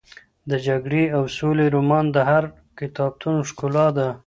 د جګړې او سولې رومان د هر کتابتون ښکلا ده.